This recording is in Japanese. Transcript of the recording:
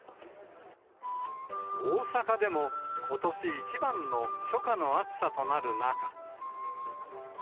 大阪でも、ことし一番の初夏の暑さとなる中。